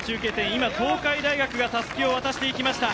今東海大学がたすきを渡していきました。